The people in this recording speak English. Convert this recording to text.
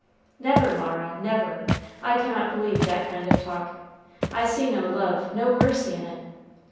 "Never, Mara, never. I cannot believe that kind of talk. I see no love, no mercy in it.